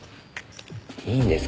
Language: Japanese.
いいんですか？